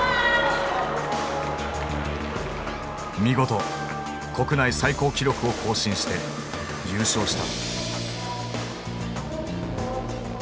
見事国内最高記録を更新して優勝した。